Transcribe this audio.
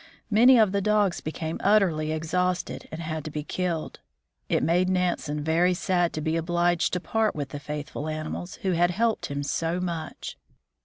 Many of the dogs became utterly exhausted and had to be killed. It made Nansen very sad to be obliged to part with the faithful animals who had helped him so much.